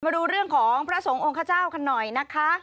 มาดูเรื่องของพระสงฆ์ขเจ้ากันหน่อยนะคะ